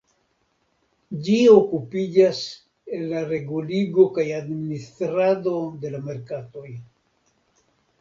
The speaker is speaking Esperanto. Ĝi okupiĝas el la reguligo kaj administrado de la merkatoj.